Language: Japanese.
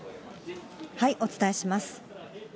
お伝えします。